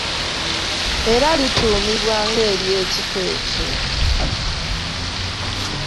Era lituumibwa ng’ery’ekika ekyo.